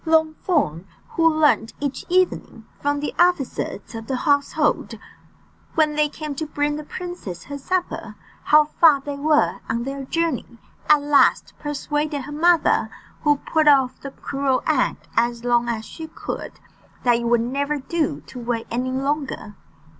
Longthorn, who learned each evening from the officers of the household, when they came to bring the princess her supper, how far they were on their journey, at last persuaded her mother, who put off the cruel act as long as she could, that it would never do to wait any longer.